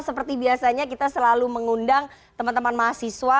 seperti biasanya kita selalu mengundang teman teman mahasiswa